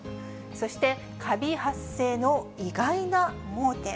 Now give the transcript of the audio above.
そして、カビ発生の意外な盲点。